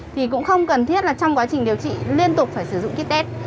thì cũng không cần thiết là trong quá trình điều trị liên tục phải sử dụng kit test